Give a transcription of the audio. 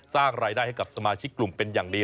สร้างรายได้ให้กับสมาชิกกลุ่มเป็นอย่างดี